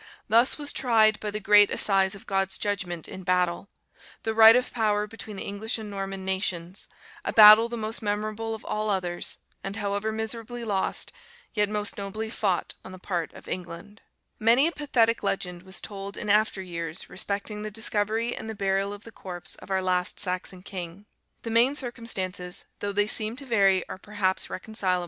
"] "Thus was tried, by the great assize of God's judgment in battle, the right of power between the English and Norman nations; a battle the most memorable of all others; and, however miserably lost, yet most nobly fought on the part of England." Many a pathetic legend was told in after years respecting the discovery and the burial of the corpse of our last Saxon king. The main circumstances, though they seem to vary, are perhaps reconcilable. [See them collected in Lingard, vol. i p.